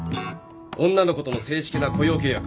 女の子との正式な雇用契約